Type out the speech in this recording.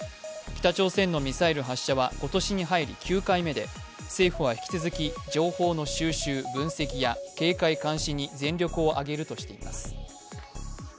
北朝鮮のミサイル発射は今年に入り９回目で、政府は引き続き、情報の収集・分析や警戒監視に全力を挙げるとしています。